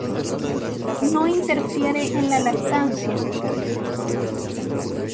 No interfiere en la lactancia.